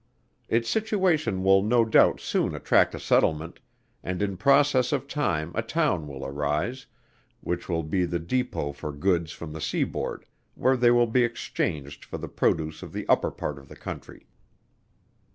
Its situation will no doubt soon attract a settlement, and in process of time a town will arise, which will be the depot for goods from the seaboard, where they will be exchanged for the produce of the upper part of the country.